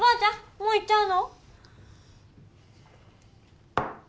もう行っちゃうの？